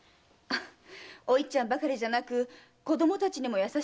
おいっちゃんばかりじゃなく子供たちにも優しいからさ。